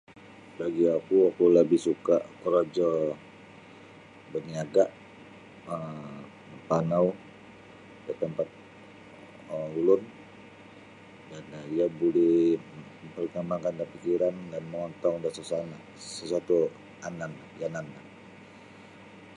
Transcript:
Bagi oku oku lebih suka korojo beniaga um mampanau ke tempat um ulun dan iyo buli mananangkan pikiran dan mengontong da sasuana sesuatu anan yanan no.